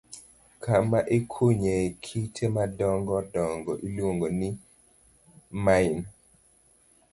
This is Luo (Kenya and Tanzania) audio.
Kama ikunyoe kite madongo dongo iluongo ni mine.